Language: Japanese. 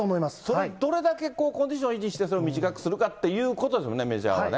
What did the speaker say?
どれだけコンディション維持して、それを短くするかっていう、メジャーはね。